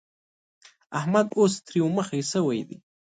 احمد اوس تريو مخی شوی دی.